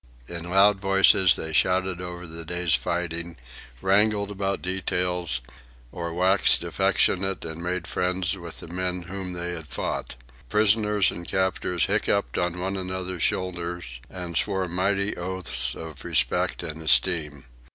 In loud voices they shouted over the day's fighting, wrangled about details, or waxed affectionate and made friends with the men whom they had fought. Prisoners and captors hiccoughed on one another's shoulders, and swore mighty oaths of respect and esteem.